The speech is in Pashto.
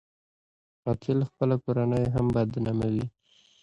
قاتل خپله کورنۍ هم بدناموي